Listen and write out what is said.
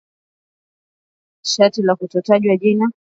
afisa wa Ikulu ya Marekani alisema akizungumza kwa sharti la kutotajwa jina